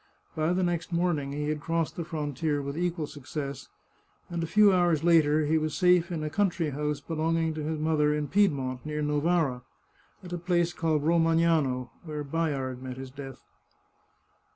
By the next morning he had crossed the frontier with equal success, and a few hours later he was safe in a country house belonging to his mother in Piedmont, near Novara, at a place called Romagnano, where Bayard met his death.